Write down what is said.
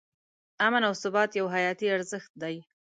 امن او ثبات یو حیاتي ارزښت دی.